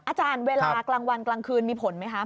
อาจารย์เวลากลางวันกลางคืนมีผลไหมคะ